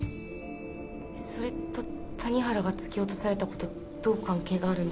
それと谷原が突き落とされたことどう関係があるんですか？